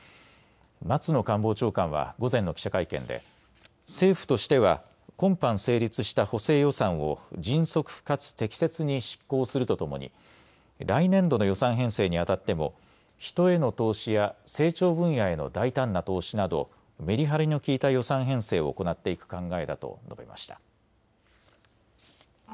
松野官房長官は午前の記者会見で政府としては今般成立した補正予算を迅速かつ適切に執行するとともに来年度の予算編成にあたっても人への投資や成長分野への大胆な投資などめりはりの利いた予算編成を行っていく考えだと述べました。